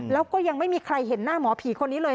แล้วก็ยังไม่มีใครเห็นหน้าหมอผีคนนี้เลย